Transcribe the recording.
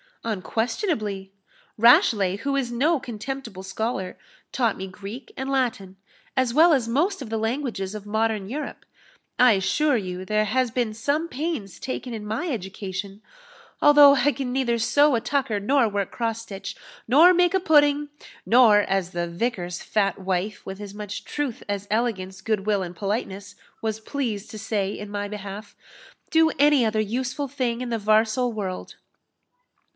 "Unquestionably. Rashleigh, who is no contemptible scholar, taught me Greek and Latin, as well as most of the languages of modern Europe. I assure you there has been some pains taken in my education, although I can neither sew a tucker, nor work cross stitch, nor make a pudding, nor as the vicar's fat wife, with as much truth as elegance, good will, and politeness, was pleased to say in my behalf do any other useful thing in the varsal world."